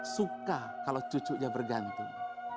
suka kalau cucunya bergantung